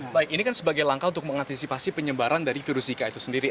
baik ini kan sebagai langkah untuk mengantisipasi penyebaran dari virus zika itu sendiri